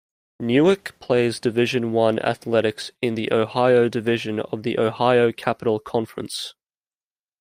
Newark plays division I athletics in the Ohio Division of the Ohio Capital Conference.